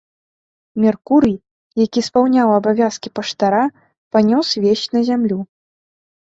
Меркурый, які спаўняў абавязкі паштара, панёс весць на зямлю.